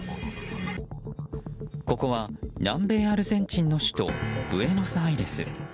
ここは、南米アルゼンチンの首都ブエノスアイレス。